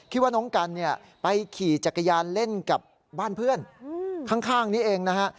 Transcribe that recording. ว่าน้องกันเนี่ยไปขี่จักรยานเล่นกับบ้านเพื่อนข้างนี้เองนะฮะ